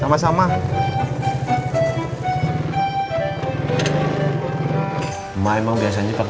ada baju ramy bis appropriate